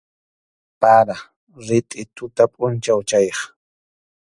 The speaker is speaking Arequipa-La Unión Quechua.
Para, ritʼi tuta pʼunchaw chayaq.